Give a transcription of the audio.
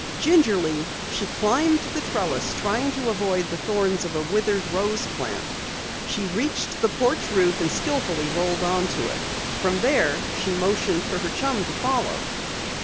Gingerly she climbed the trellis, trying to avoid the thorns of a withered rose plant. She reached the porch roof and skillfully rolled onto it. From there she motioned for her chum to follow.